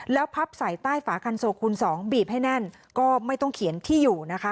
แล้วพับใส่ใต้ฝาคันโซคูณสองบีบให้แน่นก็ไม่ต้องเขียนที่อยู่นะคะ